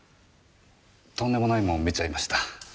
とんでもないもん見ちゃいました。